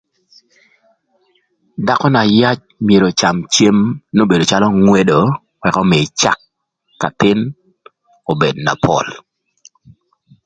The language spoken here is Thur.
Dhakö na yac myero öcam cem n'obedo calö ngwedo, ëk ömïï cak k'athïn obed na pol.